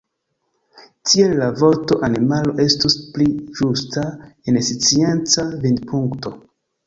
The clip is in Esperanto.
Tiel la vorto „animalo” estus pli ĝusta el scienca vidpunkto.